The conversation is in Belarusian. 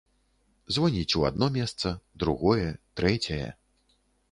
Звоніць у адно месца, другое, трэцяе.